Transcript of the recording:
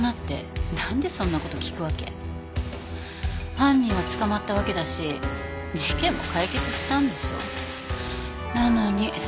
犯人は捕まったわけだし事件は解決したんでしょ？なのに。